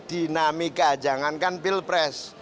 dinamika jangankan pilpres